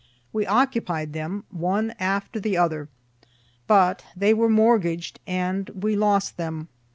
We occupied them, one after the other, but they were mortgaged, and we lost them.